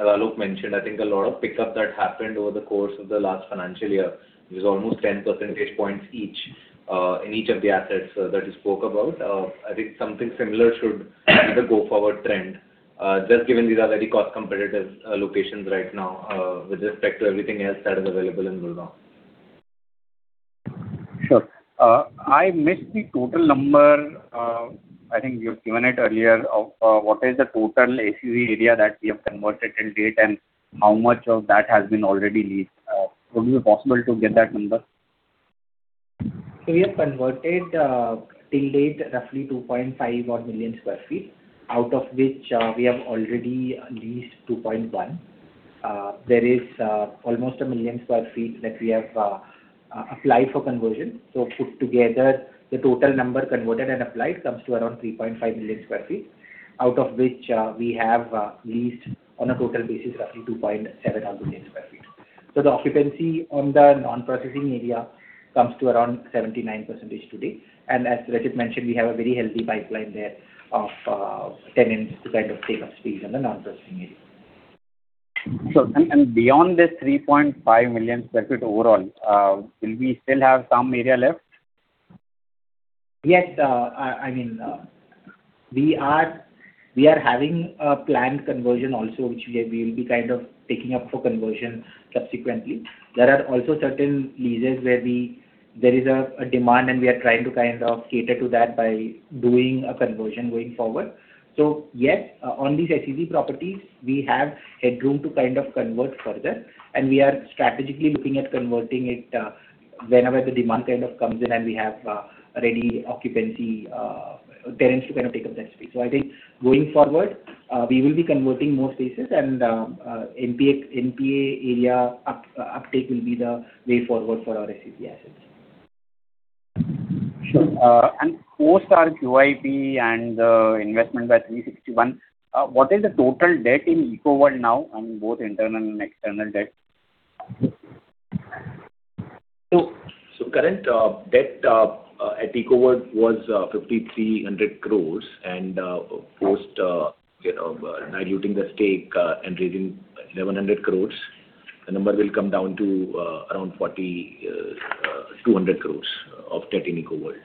Alok mentioned, I think a lot of pickups that happened over the course of the last financial year. It was almost 10 percentage points each in each of the assets that you spoke about. I think something similar should be the go-forward trend, just given these are very cost competitive locations right now, with respect to everything else that is available in Gurgaon. Sure. I missed the total number. I think you've given it earlier. What is the total SEZ area that we have converted till date, and how much of that has been already leased? Would it be possible to get that number? We have converted, till date, roughly 2.5 odd million sq ft, out of which, we have already leased 2.1. There is, almost 1 million sq ft that we have, applied for conversion. Put together the total number converted and applied comes to around 3.5 million sq ft, out of which, we have, leased on a total basis, roughly 2.7 odd million sq ft. The occupancy on the Non-Processing Area comes to around 79% today. As Rajat mentioned, we have a very healthy pipeline thereof, tenants to kind of take up space on the Non-Processing Area. Beyond these 3.5 million square feet overall, will we still have some area left? Yes. I mean, we are having a planned conversion also, which we will be kind of taking up for conversion subsequently. There are also certain leases where there is a demand, and we are trying to kind of cater to that by doing a conversion going forward. Yes, on these SEZ properties, we have headroom to kind of convert further, and we are strategically looking at converting it whenever the demand kind of comes in and we have ready occupancy tenants to kind of take up that space. I think going forward, we will be converting more spaces and NPA area uptake will be the way forward for our SEZ assets. Sure. Post our QIP and the investment by 360 ONE, what is the total debt in Ecoworld now, I mean, both internal and external debt? Current debt at Ecoworld was 5,300 crores and post, you know, now diluting the stake and raising 1,100 crores, the number will come down to around 4,200 crores of debt in Ecoworld.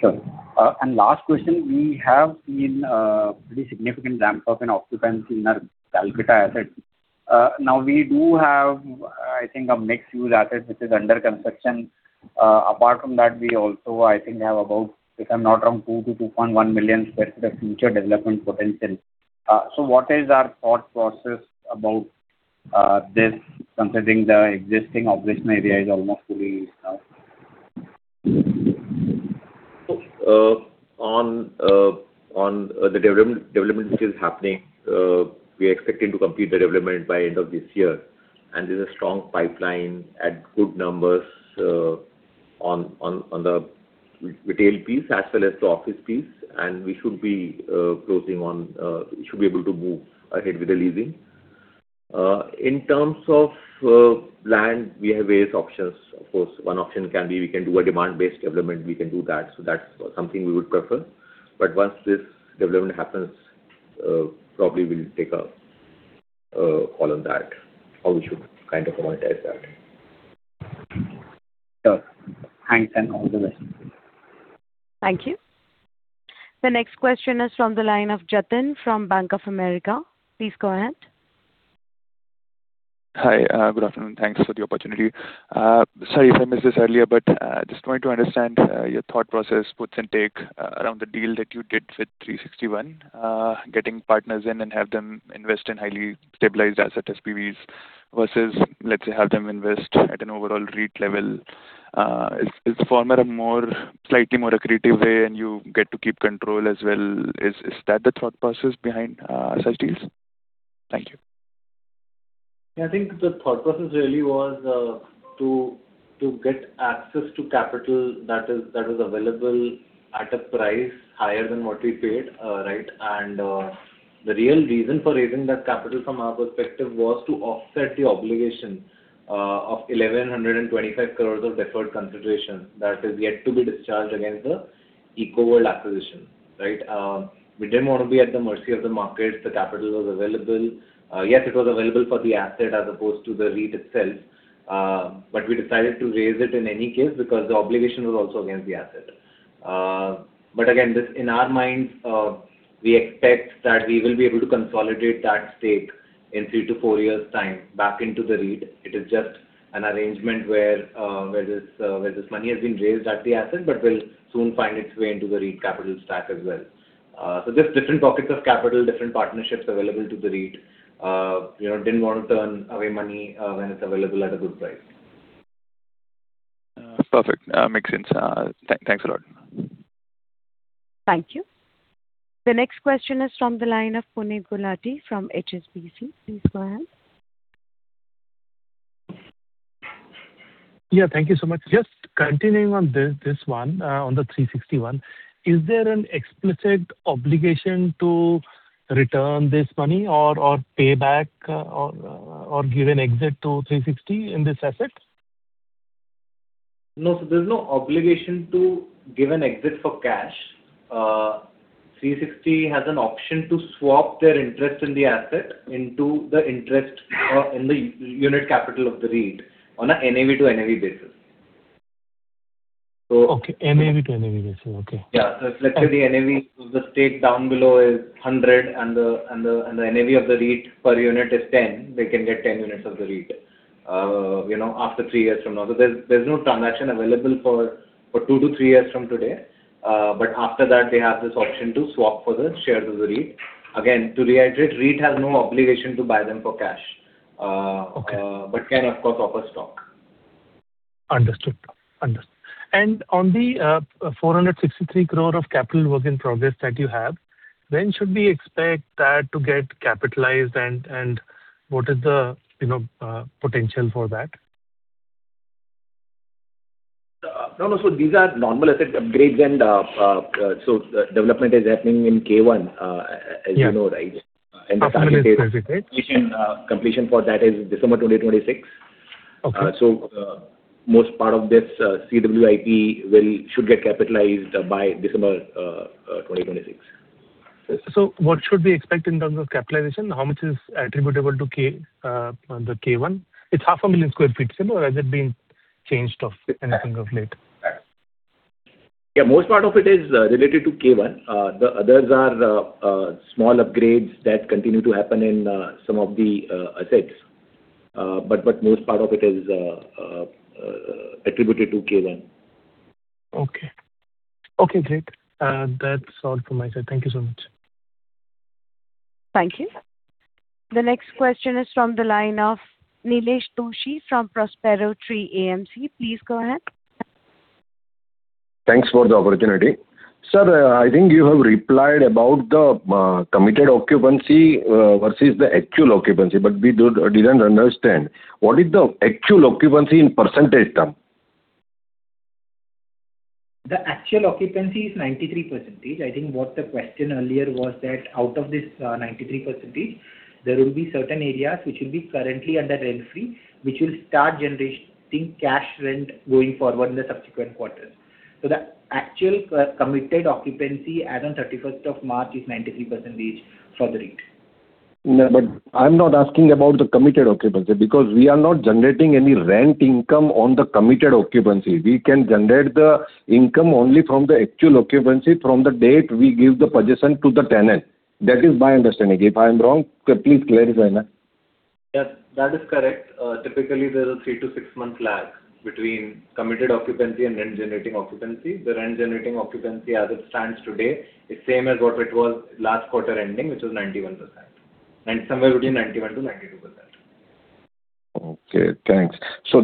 Sure. Last question. We have seen pretty significant ramp-up in occupancy in our Calcutta asset. Now we do have, I think a mixed-use asset which is under construction. Apart from that, we also, I think, have about, if I'm not wrong, 2-2.1 million sq ft of future development potential. What is our thought process about this considering the existing operational area is almost fully? On the development, which is happening, we are expecting to complete the development by end of this year. There's a strong pipeline at good numbers on the retail piece as well as the office piece. We should be closing on; we should be able to move ahead with the leasing. In terms of land, we have various options. Of course, one option can be we can do a demand-based development. We can do that, so that's something we would prefer. Once this development happens, probably we'll take a call on that, or we should kind of monetize that. Sure. Thanks, and all the best. Thank you. The next question is from the line of Jatin from Bank of America. Please go ahead. Hi. Good afternoon. Thanks for the opportunity. Sorry if I missed this earlier, but just wanted to understand your thought process, puts and takes, around the deal that you did with 360 ONE, getting partners in and have them invest in highly stabilized asset SPVs versus, let's say, have them invest at an overall REIT level. Is the former a more, slightly more accretive way and you get to keep control as well? Is that the thought process behind such deals? Thank you. I think the thought process really was to get access to capital that is available at a price higher than what we paid, right? The real reason for raising that capital from our perspective was to offset the obligation of 1,125 crores of deferred consideration that is yet to be discharged against the Ecoworld acquisition, right? We didn't want to be at the mercy of the market. The capital was available. Yes, it was available for the asset as opposed to the REIT itself, but we decided to raise it in any case because the obligation was also against the asset. But again, this, in our minds, we expect that we will be able to consolidate that stake in 3-4 years' time back into the REIT. It is just an arrangement where this, where this money has been raised at the asset, but will soon find its way into the REIT capital stack as well. Just different pockets of capital, different partnerships available to the REIT. You know, didn't want to turn away money, when it's available at a good price. Perfect. Makes sense. Thanks a lot. Thank you. The next question is from the line of Puneet Gulati from HSBC. Please go ahead. Yeah, thank you so much. Just continuing on this one, on the 360 ONE, is there an explicit obligation to return this money or pay back, or give an exit to 360 in this asset? No. There's no obligation to give an exit for cash. 360 ONE has an option to swap their interest in the asset into the interest or in the unit capital of the REIT on a NAV to NAV basis. Okay. NAV to NAV basis. Okay. Let's say the NAV, the stake down below is 100, and the NAV of the REIT per unit is 10, they can get 10 units of the REIT, you know, after three years from now. There's no transaction available for two to three years from today. After that, they have this option to swap for the shares of the REIT. Again, to reiterate, REIT has no obligation to buy them for cash. Okay. Can of course offer stock. Understood. Understood. On the 463 crore of capital work in progress that you have, when should we expect that to get capitalized and what is the, you know, potential for that? No, no. These are normal asset upgrades and development is happening in K1, as you know, right? Yeah. The target is. Half a million square feet. Completion for that is December 2026. Okay. Most part of this CWIP should get capitalized by December 2026. What should we expect in terms of capitalization? How much is attributable to K, the K1? It's half a million sq ft, isn't it? Or has it been changed of anything of late? Yeah, most part of it is related to K1. The others are small upgrades that continue to happen in some of the assets. Most part of it is attributed to K1. Okay. Okay, great. That's all from my side. Thank you so much. Thank you. The next question is from the line of Nilesh Doshi from Prospero Tree AMC. Please go ahead. Thanks for the opportunity. Sir, I think you have replied about the committed occupancy versus the actual occupancy, but we didn't understand. What is the actual occupancy in percentage term? The actual occupancy is 93%. I think what the question earlier was that out of this, 93%, there will be certain areas which will be currently under rent free, which will start generating cash rent going forward in the subsequent quarters. The actual committed occupancy as on 31st of March is 93% for the REIT. I'm not asking about the committed occupancy because we are not generating any rent income on the committed occupancy. We can generate the income only from the actual occupancy from the date we give the possession to the tenant. That is my understanding. If I'm wrong, please clarify sir. Yeah, that is correct. Typically, there's a three to six-month lag between committed occupancy and rent-generating occupancy. The rent-generating occupancy as it stands today is same as what it was last quarter ending, which was 91%. Somewhere between 91%-92%. Okay, thanks.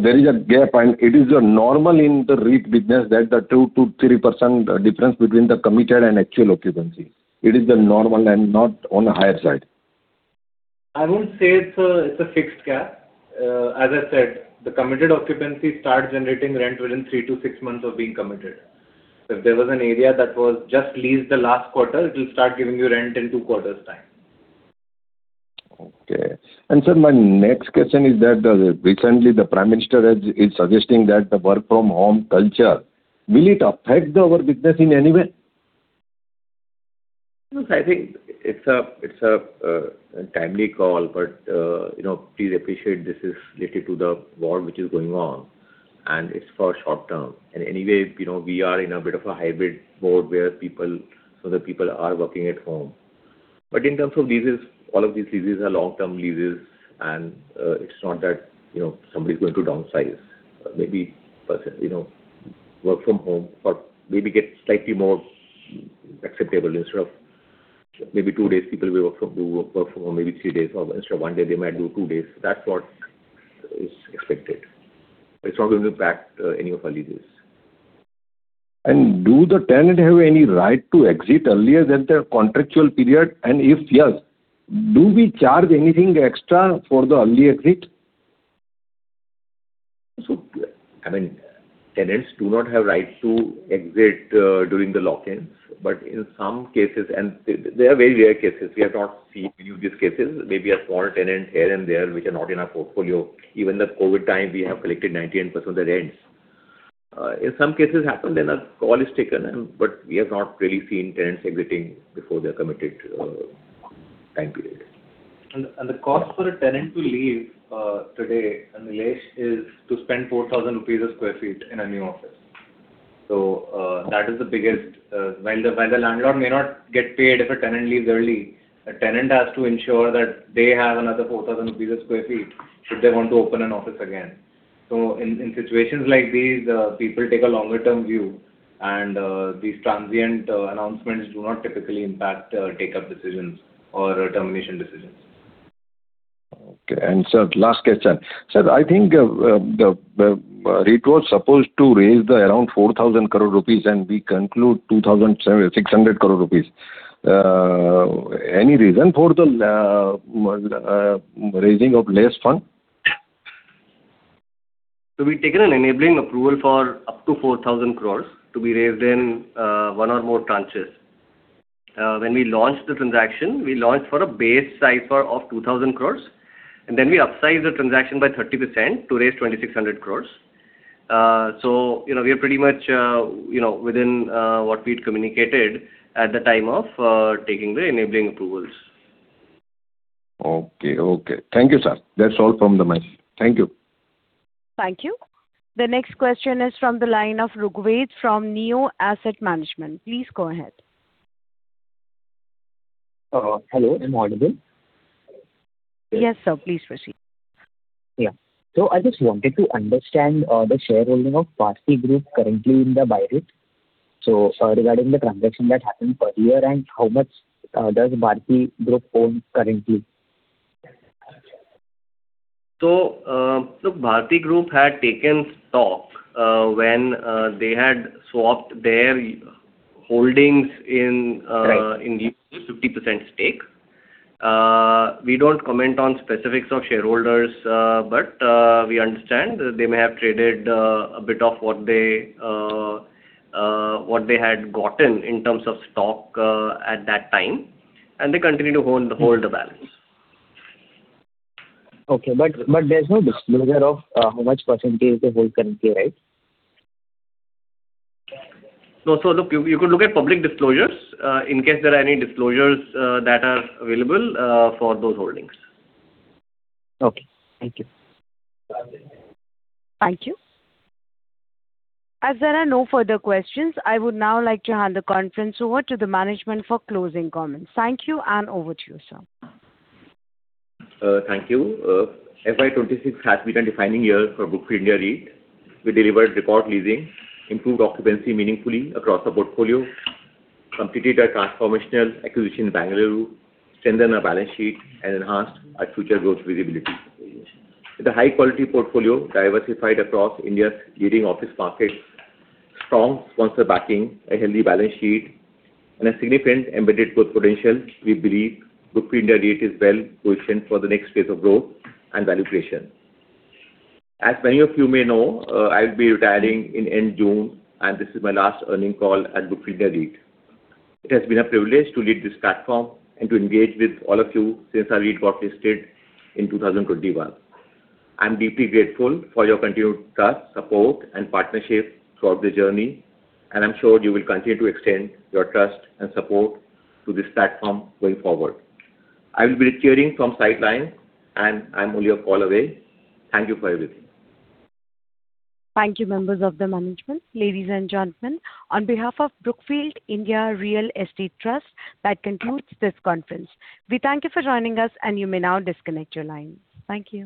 There is a gap, and it is normal in the REIT business that the 2%-3% difference between the committed and actual occupancy. It is the normal and not on the higher side. I won't say it's a fixed gap. As I said, the committed occupancy starts generating rent within three to six months of being committed. If there was an area that was just leased the last quarter, it will start giving you rent in two quarters' time. Okay. Sir, my next question is that, recently the Prime Minister is suggesting that the work from home culture, will it affect our business in any way? No, I think it's a timely call, but, you know, please appreciate this is related to the war, which is going on, and it's for short term. Anyway, you know, we are in a bit of a hybrid mode where the people are working at home. In terms of leases, all of these leases are long-term leases and it's not that, you know, somebody's going to downsize. Maybe person, you know, work from home or maybe get slightly more acceptable instead of maybe two days people will do work from home, maybe three days or instead of one day, they might do two days. That's what is expected. It's not going to impact any of our leases. Do the tenant have any right to exit earlier than their contractual period? If yes, do we charge anything extra for the early exit? I mean, tenants do not have right to exit during the lockdowns, but in some cases, and they are very rare cases. We have not seen many of these cases. Maybe a small tenant here and there which are not in our portfolio. Even the COVID time, we have collected 98% of the rents. If some cases happen, then a call is taken and we have not really seen tenants exiting before their committed time period. The cost for a tenant to leave today, Nilesh Doshi, is to spend 4,000 rupees a square feet in a new office. That is the biggest, while the landlord may not get paid if a tenant leaves early, a tenant has to ensure that they have another 4,000 rupees a square feet should they want to open an office again. In situations like these, people take a longer term view and these transient announcements do not typically impact take-up decisions or termination decisions. Okay. Sir, last question. Sir, I think, the REIT was supposed to raise the around 4,000 crore rupees and we conclude 2,600 crore rupees. Any reason for the raising of less fund? We've taken an enabling approval for up to 4,000 crores to be raised in one or more tranches. When we launched the transaction, we launched for a base cipher of 2,000 crores, and then we upsized the transaction by 30% to raise 2,600 crores. You know, we are pretty much, you know, within what we'd communicated at the time of taking the enabling approvals. Okay, okay. Thank you, sir. That's all from my end. Thank you. Thank you. The next question is from the line of Rugved from Neo Asset Management. Please go ahead. Hello, I'm audible? Yes, sir. Please proceed. Yeah. I just wanted to understand the shareholding of Bharti Group currently in the Brookfield India REIT. Regarding the transaction that happened per year and how much does Bharti Group own currently? Bharti Group had taken stock when they had swapped their holdings. Right. In the 50% stake. We don't comment on specifics of shareholders, but we understand they may have traded a bit of what they had gotten in terms of stock at that time, and they continue to hold the balance. Okay. There's no disclosure of how much percentage they hold currently, right? No. Look, you could look at public disclosures, in case there are any disclosures that are available for those holdings. Okay. Thank you. Thank you. As there are no further questions, I would now like to hand the conference over to the management for closing comments. Thank you, and over to you, sir. Thank you. fiscal year 2026 has been a defining year for Brookfield India REIT. We delivered record leasing, improved occupancy meaningfully across our portfolio, completed our transformational acquisition in Bengaluru, strengthened our balance sheet, and enhanced our future growth visibility. With a high-quality portfolio diversified across India's leading office markets, strong sponsor backing, a healthy balance sheet, and a significant embedded growth potential, we believe Brookfield India REIT is well-positioned for the next phase of growth and valuation. As many of you may know, I'll be retiring in end June, and this is my last earning call at Brookfield India REIT. It has been a privilege to lead this platform and to engage with all of you since our REIT got listed in 2021. I'm deeply grateful for your continued trust, support and partnership throughout the journey, and I'm sure you will continue to extend your trust and support to this platform going forward. I will be retiring from sidelines, and I'm only a call away. Thank you for everything. Thank you, members of the management. Ladies and gentlemen, on behalf of Brookfield India Real Estate Trust, that concludes this conference. We thank you for joining us, and you may now disconnect your lines. Thank you.